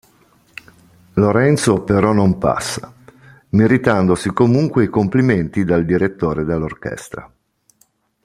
Lorenzo però non passa, meritandosi comunque i complimenti dal direttore dell'orchestra.